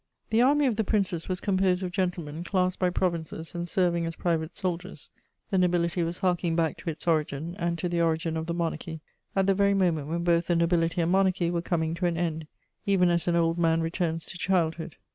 ] The Army of the Princes was composed of gentlemen, classed by provinces and serving as private soldiers: the nobility was harking back to its origin and to the origin of the monarchy, at the very moment when both the nobility and monarchy were coming to an end, even as an old man returns to childhood.